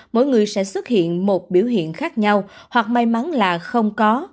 mỗi người sẽ xuất hiện một biểu hiện khác nhau hoặc may mắn là không có